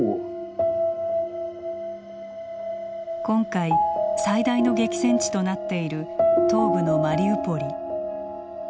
今回、最大の激戦地となっている東部のマリウポリ。